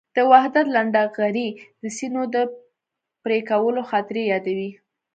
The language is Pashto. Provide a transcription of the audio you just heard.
د وحدت لنډهغري د سینو د پرېکولو خاطرې یادوي.